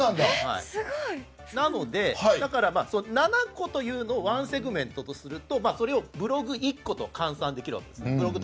なので、７個というのを１セグメントとするとそれをブログタイトル１個と換算できるわけです。